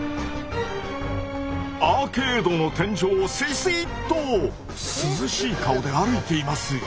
アーケードの天井をすいすいっと涼しい顔で歩いています。